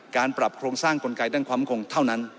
การปรับโครงสร้างกลไกด้านความคงเท่านั้น